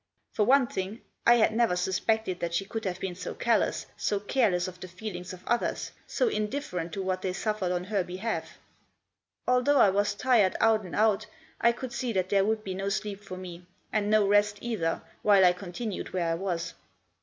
For one thing I had never sus pected that she could have been so callous, so care less of the feelings of others, so indifferent to what they suffered on her behalf. Although I was tired out and out I could see that there would be no sleep for me, and no rest either, while I continued where I was.